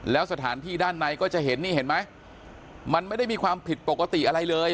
แล้วสถานที่ด้านในก็จะเห็นนี่เห็นไหมมันไม่ได้มีความผิดปกติอะไรเลย